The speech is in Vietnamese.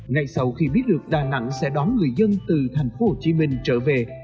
ngay sau khi biết được đà nẵng sẽ đón người dân từ thành phố hồ chí minh trở về